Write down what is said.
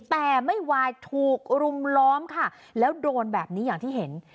แต่ไม่วายถูกรุมล้อมค่ะแล้วโดนแบบนี้อย่างที่เห็น